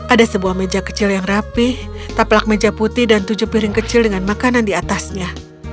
ada sebuah meja kecil yang rapih taplak meja putih dan tujuh piring kecil dengan makanan di atasnya